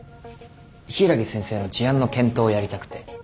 柊木先生の事案の検討をやりたくて。